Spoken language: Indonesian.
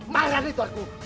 mahra ini tuan ku